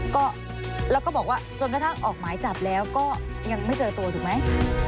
ก็แล้วก็บอกว่าจนกระทั่งออกหมายจับแล้วก็ยังไม่เจอตัวถูกไหม